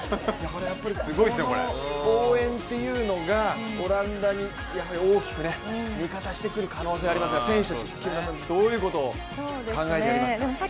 この応援というのがオランダにやはり大きく味方してくる可能性がありますが選手として、どういうことを考えてやりますか？